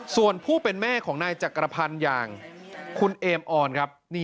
ส่วนผู้เป็นแม่ของนายจักรพันธ์อย่างคุณเอมออนครับ